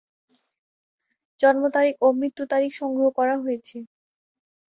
জন্ম তারিখ ও মৃত্যু তারিখ সংগ্রহ করা হয়েছে।